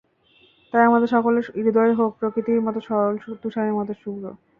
তাই আমাদের সকলের হৃদয় হোক, প্রকৃতির মতো সরল, তুষারের মতো শুভ্র।